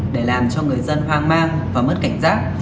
để làm cho người dân hoang mang và mất cảnh giác